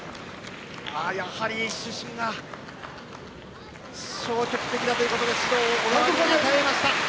やはり主審消極的だということで指導を小川に与えました。